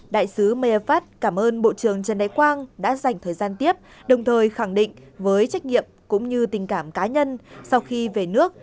đại sứ mefast cảm ơn bộ trưởng trần đại quang đã dành thời gian tiếp đồng thời khẳng định với trách nhiệm cũng như tình cảm cá nhân sau khi về nước